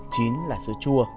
chín là sữa chua